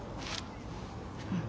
うん。